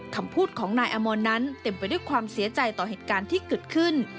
คำพูดของนายอมรนั้นเต็มไปด้วยความเสียใจต่อเหตุการณ์ที่เกิดขึ้น